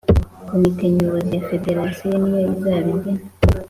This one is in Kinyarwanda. komite nyobozi ya federasiyo niyo izabigena